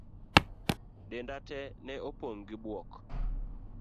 Denda tee ne opong' gi buok.